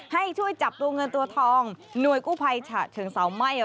ให้ช่วยจับตัวเงินตัวทองหน่วยกู้ภัยฉะเชิงเสาไหม้